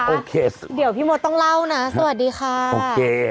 โอเคเดี๋ยวพี่มดต้องเล่านะสวัสดีค่ะโอเค